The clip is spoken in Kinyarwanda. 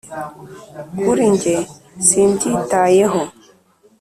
kuri njye sibyitayeho.